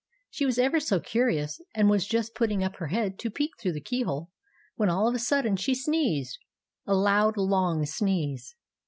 She was ever so curious, and was just putting up her head to peek through the key hole, when all of a sudden she sneezed, — a loud, long sneeze.